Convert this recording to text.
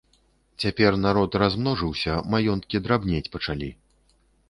Цяпер народ размножыўся, маёнткі драбнець пачалі.